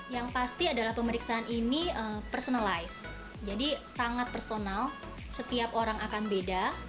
yang pasti adalah pemeriksaan ini personalize jadi sangat personal setiap orang akan beda